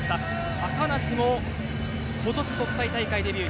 高梨も今年、国際大会デビュー。